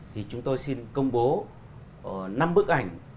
thì chúng tôi xin công bố năm bức ảnh